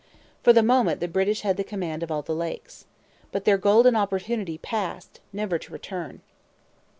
For the moment the British had the command of all the Lakes. But their golden opportunity passed, never to return.